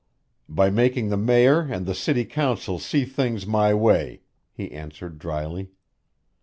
"By making the mayor and the city council see things my way," he answered dryly.